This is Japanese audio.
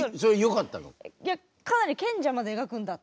かなり賢者まで描くんだと思って。